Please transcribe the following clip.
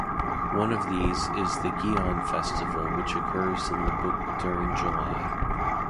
One of these is the Gion festival which occurs in the book during July.